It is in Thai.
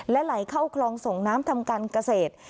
ไหลเข้าคลองส่งน้ำทำการเกษตร